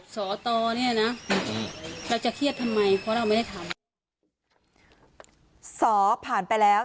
สตผ่านไปแล้ว